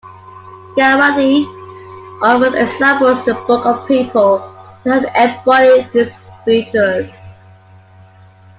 Gawande offers examples in the book of people who have embodied these virtues.